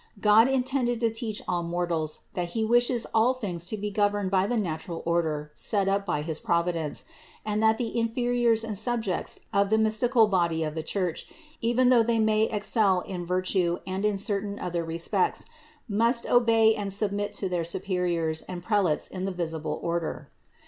God intended to teach all mortals, that He wishes 601 602 CITY OF GOD all things to be governed by the natural order set up by his Providence; and that the inferiors and subjects of the mystical body of the Church, even though they may excel in virtue and in certain other respects, must obey and submit to their superiors and prelates in the visible order.